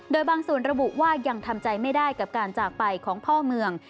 โดยบางส่วนระบุว่ายังทำใจไม่ได้กับการจากไปของพ่อเมือง